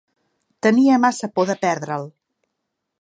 Tenia massa por de perdre'l.